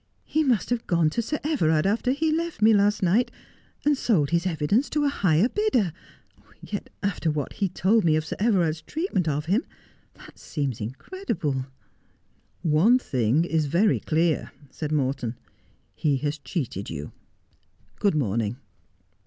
' He must have gone to Sir Everard after he left me last night, and sold his evidence to a higher bidder. Yet after what he told me of Sir Everard's treatment of him, that seems incredible.' ' One thing is very clear,' said Morton. ' He has cheated you. Good morning.'